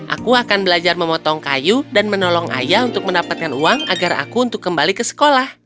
aku akan belajar memotong kayu dan menolong ayah untuk mendapatkan uang agar aku untuk kembali ke sekolah